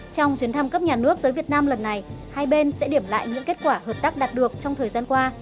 trong chuyến thăm cấp nhà nước tới việt nam lần này hai bên sẽ điểm lại những kết quả hợp tác đạt được trong thời gian qua